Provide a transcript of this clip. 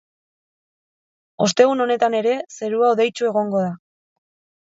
Ostegun honetan ere zerua hodeitsu egongo da.